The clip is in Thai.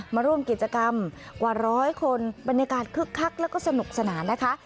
มาร่วมกิจกรรมกว่าร้อยคนบรรยากาศคึกคักแล้วก็สนุกสนานนะคะ